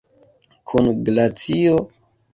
Kun glacio?